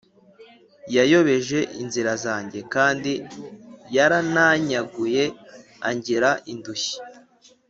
Yayobeje inzira zanjye, Kandi yarantanyaguye angira indushyi.